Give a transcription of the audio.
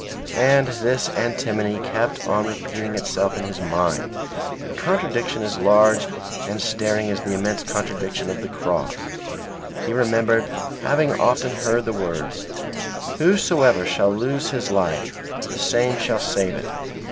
And this antinomy kept on repeating itself in his mind, a contradiction as large and staring as the immense contradiction of the Cross; he remembered having often heard the words, "Whosoever shall lose his life the same shall save it."